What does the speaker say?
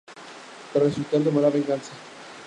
Tras resucitar tomará venganza.